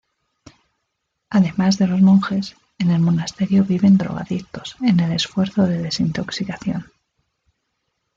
Además de los monjes, en el monasterio viven drogadictos en el esfuerzo de desintoxicación.